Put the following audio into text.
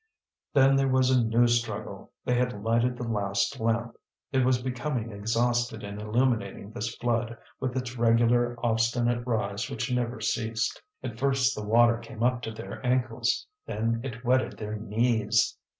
Then there was a new struggle. They had lighted the last lamp; it was becoming exhausted in illuminating this flood, with its regular, obstinate rise which never ceased. At first the water came up to their ankles; then it wetted their knees.